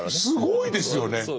すごいですよね。